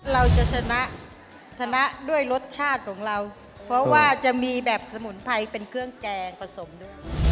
เราจะชนะชนะด้วยรสชาติของเราเพราะว่าจะมีแบบสมุนไพรเป็นเครื่องแกงผสมด้วย